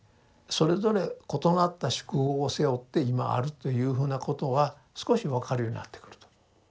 それぞれ異なった宿業を背負って今あるというふうなことは少し分かるようになってくると。